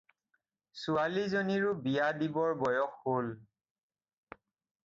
ছোৱালীজনীৰো বিয়া দিবৰ বয়স হ'ল।